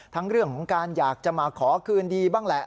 เรื่องของการอยากจะมาขอคืนดีบ้างแหละ